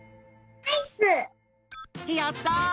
やった！